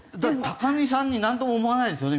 見さんになんとも思わないんですよね？